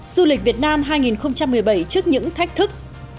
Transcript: du lịch việt nam hai nghìn một mươi bảy trước những thách thức